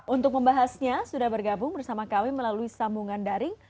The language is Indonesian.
untuk membahasnya sudah bergabung bersama kami melalui sambungan daring